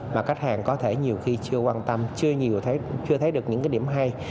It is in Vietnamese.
mà khách hàng có thể nhiều khi chưa quan tâm chưa thấy được những cái điểm hay